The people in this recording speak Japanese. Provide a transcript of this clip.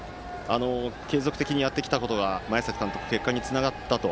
継続的にやってきたことが前崎監督、結果につながったと。